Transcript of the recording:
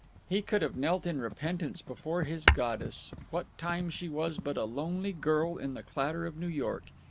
He could have knelt in repentance before his goddess, what time she was but a lonely girl in the clatter of New York.